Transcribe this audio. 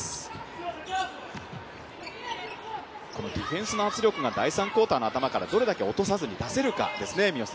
ディフェンスの圧力が第３クオーターの頭からどれだけ落とさずに出せるかですね。